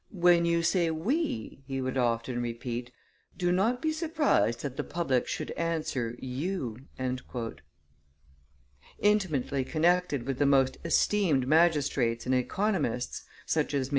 "When you say, We," he would often repeat, "do not be surprised that the public should answer, You." Intimately connected with the most esteemed magistrates and economists, such as MM.